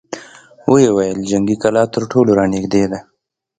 ويې ويل: جنګي کلا تر ټولو را نېږدې ده!